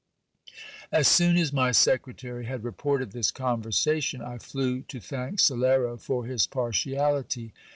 . As soon as my secretary had reported this conversation, I flew to thank Salero for his partiality.